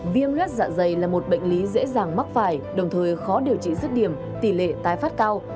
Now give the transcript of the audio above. viêm lết dạ dày là một bệnh lý dễ dàng mắc phải đồng thời khó điều trị rứt điểm tỷ lệ tái phát cao